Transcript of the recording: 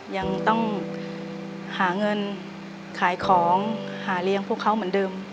ยังต้องหาเงินขายของหาเลี้ยงพวกเขาเหมือนเดิม